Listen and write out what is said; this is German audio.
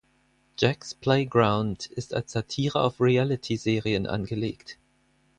Jack’s Playground ist als Satire auf Reality-Serien angelegt.